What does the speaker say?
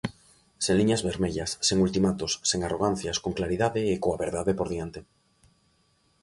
Sen liñas vermellas, sen ultimatos, sen arrogancias, con claridade e coa verdade por diante.